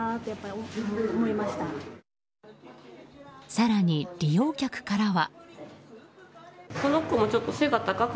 更に、利用客からは。